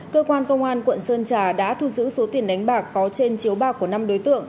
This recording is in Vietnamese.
cơ quan công an quận sơn trà đã thu giữ số tiền đánh bạc có trên chiếu bạc của năm đối tượng